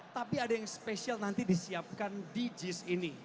tapi ada yang spesial nanti disiapkan di jis ini